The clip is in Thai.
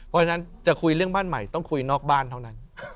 เพราะฉะนั้นจะคุยเรื่องบ้านใหม่ต้องคุยนอกบ้านเท่านั้น